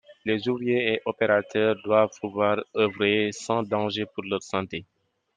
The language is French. Les ouvriers et opérateurs doivent pouvoir œuvrer sans danger pour leur santé.